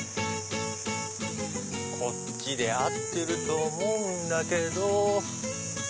こっちで合ってると思うんだけど。